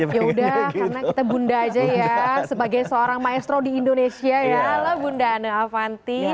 yaudah karena kita bunda aja ya sebagai seorang maestro di indonesia ya bunda anne avanti